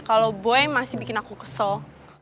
kalau boy masih bikin aku kesel